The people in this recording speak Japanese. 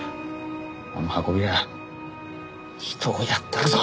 あの運び屋人を殺ってるぞ！